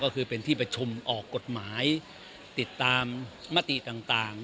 ก็คือเป็นที่ประชุมออกกฎหมายติดตามมติต่าง